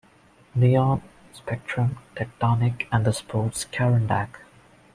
Neon, Spectrum, Techtonic and the Sports Karandak.